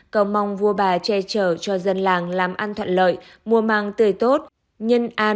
cầu mong vua bà che trở cho dân làng làm an thoạn lớn